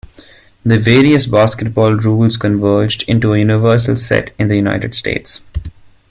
The various basketball rules converged into a universal set in the United States.